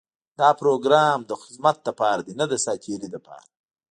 دا پروګرام د خدمت لپاره دی، نۀ د ساعتېري لپاره.